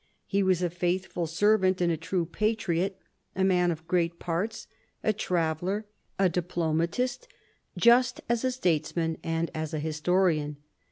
He was a faithful servant and a true patriot, a man of great parts, a traveller, a diplomatist, just as a statesman and as a historian.